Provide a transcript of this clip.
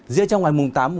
riêng trong ngày tám chín